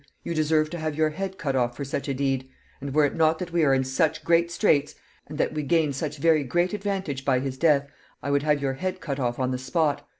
You deserve to have your head cut off for such a deed; and, were it not that we are in such great straits, and that we gain such very great advantage by his death, I would have your head cut off on the spot.